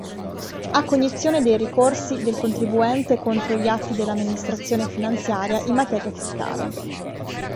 Ha cognizione dei ricorsi del contribuente contro gli atti dell'Amministrazione finanziaria in materia fiscale.